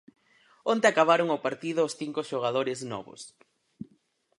Onte acabaron o partido os cinco xogadores novos.